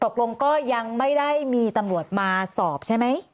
ตกลงก็ยังไม่ได้มีตำรวจมาสอบใช่ไหม